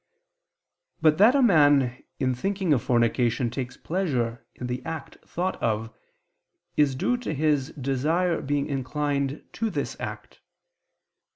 But that a man in thinking of fornication takes pleasure in the act thought of, is due to his desire being inclined to this act.